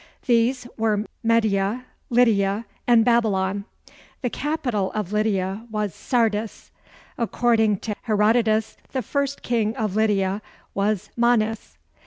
These were Media, Lydia, and Babylon. The capital of Lydia was Sardis. According to Herodotus, the first king of Lydia was Manes.